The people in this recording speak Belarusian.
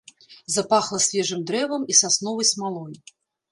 Запахла свежым дрэвам і сасновай смалой.